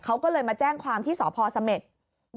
เขาก็เลยมาแจ้งความที่สพเสม็ด